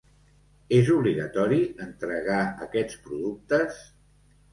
És obligatori entregar aquests productes?